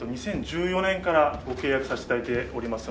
２０１４年からご契約させて頂いておりますので。